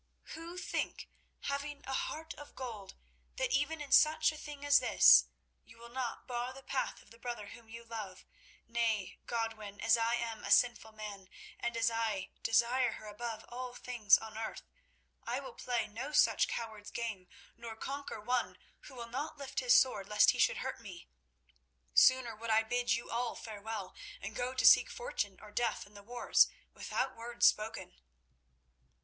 "Who think, having a heart of gold, that even in such a thing as this you will not bar the path of the brother whom you love. Nay, Godwin, as I am a sinful man, and as I desire her above all things on earth, I will play no such coward's game, nor conquer one who will not lift his sword lest he should hurt me. Sooner would I bid you all farewell, and go to seek fortune or death in the wars without word spoken."